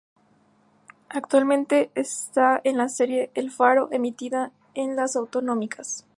Actualmente está en la serie El Faro, emitida en las autonómicas